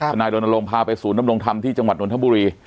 นายรณรงค์พาไปศูนยำรงธรรมที่จังหวัดนทบุรี